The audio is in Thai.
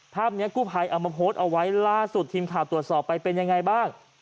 ภาพนี้กู้พัยเอามาโพสต์ลงไว้ล่าที่สองคนก็ตรวจสอบว่าเป็นยังไงบ้าง